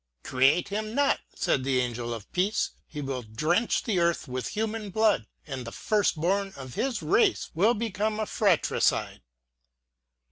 "Create him not!" said the angel of Peace; "he will drench the earth with human blood, and the first bom of his race will become a fratracide."